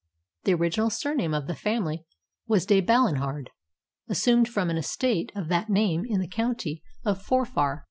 The original surname of the family was De Balinhard, assumed from an estate of that name in the county of Forfar.